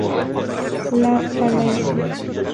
La Falaise